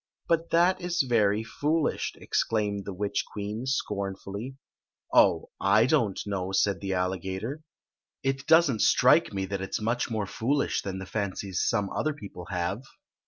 " But that is very foolish !" exclaimed the witch queen, scornfully. " Oh, I don't know," said the alligator. It does n'l strike me that it *s much more foolish than the fancies some other people have."